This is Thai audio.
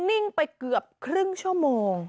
นิ่งไปเกือบครึ่งชั่วโมง